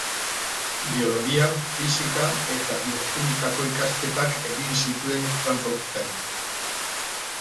Biologia, fisika eta biokimikako ikasketak egin zituen Frankfurten.